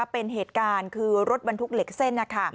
เป็นเหตุการณ์คือรถบรรทุกเหล็กเส้น